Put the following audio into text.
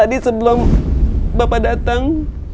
tadi sebelum bapak datang